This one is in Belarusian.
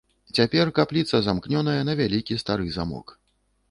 Цяпер капліца замкнёная на вялікі стары замок.